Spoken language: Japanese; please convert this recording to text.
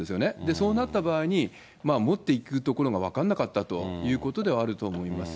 そうなった場合に、持っていく所が分からなかったということではあると思います。